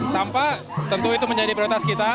tanpa tentu itu menjadi prioritas kita